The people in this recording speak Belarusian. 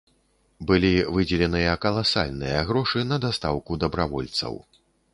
Былі выдзеленыя каласальныя грошы на дастаўку дабравольцаў.